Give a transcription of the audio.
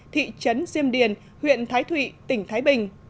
thị trấn diêm điền huyện thái thụy tỉnh thái bình